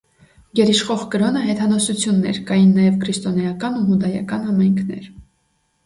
Գերիշխող կրոնը հեթանոսությունն էր, կային նաև քրիստոնեական ու հուդայական համայնքեր։